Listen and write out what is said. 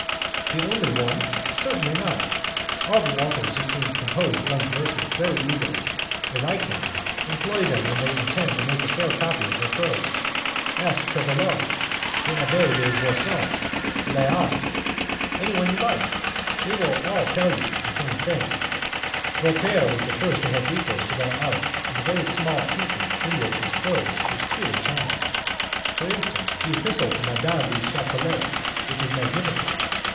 "The only one? Certainly not. All the authors who can compose blank verses very easily, as I can, employ them when they intend to make a fair copy of their prose. Ask Crebillon, the Abby de Voisenon, La Harpe, anyone you like, and they will all tell you the same thing. Voltaire was the first to have recourse to that art in the small pieces in which his prose is truly charming. For instance, the epistle to Madame du Chatelet, which is magnificent.